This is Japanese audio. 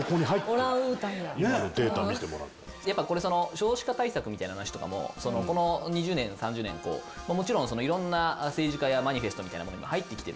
少子化対策みたいな話とかもこの２０年３０年もちろんいろんな政治家やマニフェストみたいなものにも入ってきてるんですけど。